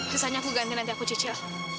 kisahnya aku ganti nanti aku cicil